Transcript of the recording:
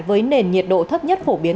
với nền nhiệt độ thấp nhất phổ biến